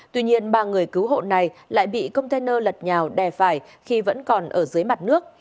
tuy nhiên ba người cứu hộ này lại bị container lật nhào đè phải khi vẫn còn ở dưới mặt nước